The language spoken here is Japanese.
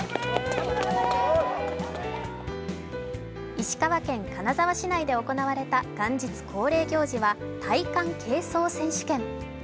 石川県金沢市内で行われた元日恒例行事は耐寒継走選手権。